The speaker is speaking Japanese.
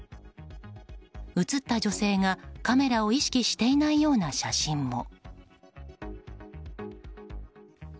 写った女性が、カメラを意識していないような写真も。